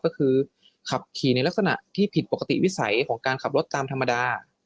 ก็คือขับขี่ในลักษณะที่ผิดปกติวิสัยของการขับรถตามธรรมดา